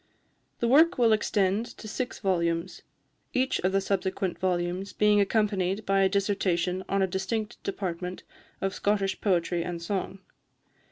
The work will extend to six volumes, each of the subsequent volumes being accompanied by a dissertation on a distinct department of Scottish poetry and song.